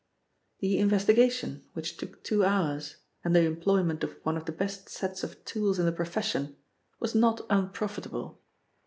The "investigation", which took two hours and the employment of one of the best sets of tools in the profession, was not unprofitable.